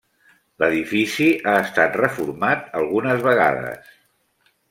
L'edifici ha estat reformat algunes vegades.